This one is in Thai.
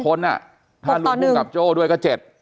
คนถ้ารุ่นภูมิกับโจ้ด้วยก็๗